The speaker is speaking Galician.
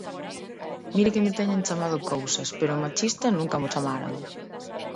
¡Miren que me teñen chamado cousas, pero machista nunca mo chamaran!